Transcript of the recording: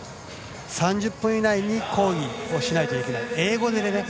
３０分以内に抗議をしないといけない。